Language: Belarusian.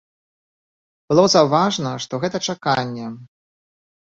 Было заўважна, што гэта чаканне.